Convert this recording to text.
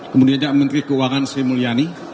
kemudian juga menteri keuangan sri mulyani